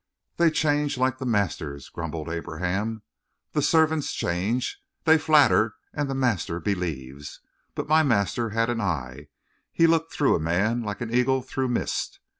"They change like the masters," grumbled Abraham. "The servants change. They flatter and the master believes. But my master had an eye he looked through a man like an eagle through mist.